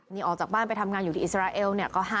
นี่ออกจากบ้านไปทำงานอยู่ที่สิราเอลว่าพอแย้งประมาณ๔๐แบบค่ะ